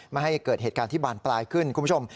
ไม่ให้เกิดเหตุการณ์ที่บานปลายขึ้นคุณผู้ชม